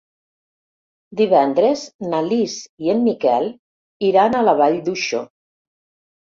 Divendres na Lis i en Miquel iran a la Vall d'Uixó.